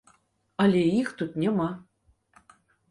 Але іх тут няма.